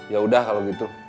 ya udah kalau gitu